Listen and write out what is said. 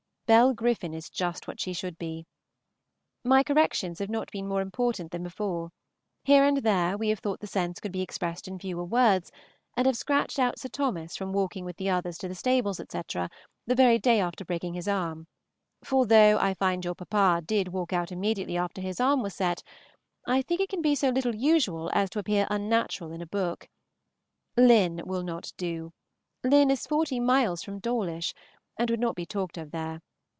Bell Griffin is just what she should be. My corrections have not been more important than before; here and there we have thought the sense could be expressed in fewer words, and I have scratched out Sir Thos. from walking with the others to the stables, etc. the very day after breaking his arm; for though I find your papa did walk out immediately after his arm was set, I think it can be so little usual as to appear unnatural in a book. Lynn will not do. Lynn is towards forty miles from Dawlish and would not be talked of there.